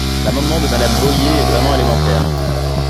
L’amendement de Madame Boyer est vraiment élémentaire.